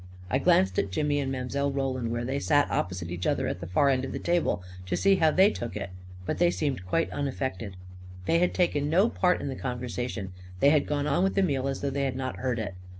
I glanced at Jimmy and Mile. Roland, where they sat opposite each other at the far end of the table, to see how they took it; but they seemed quite unaffected. They had taken no part in the conversation ; they had gone on with the meal as though they had not heard it.